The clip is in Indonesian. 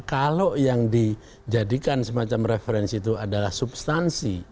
kalau yang dijadikan semacam referensi itu adalah substansi